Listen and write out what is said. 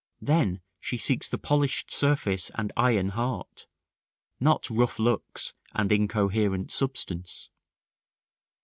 Then she seeks the polished surface and iron heart, not rough looks and incoherent substance.